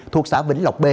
thuộc xã vĩnh lộc b